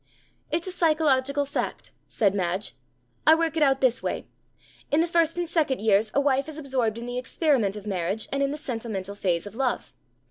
'"It's a psychological fact," said Madge. "I work it out in this way. In the first and second years a wife is absorbed in the experiment of marriage and in the sentimental phase of love.